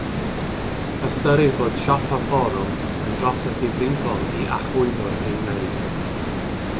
Ystyrir bod siopa fforwm yn drosedd difrifol i achwynwr ei wneud.